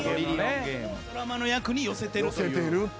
ドラマの役に寄せてるという。